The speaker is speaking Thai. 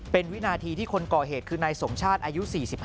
เป็นวินาทีที่คนก่อเหตุคือนายสมชาติอายุ๔๕